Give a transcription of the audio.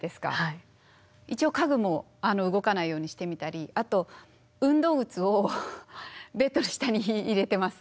一応家具も動かないようにしてみたりあと運動靴をベッドの下に入れてます。